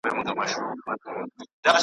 محتسب مړ وي سیوری یې نه وي .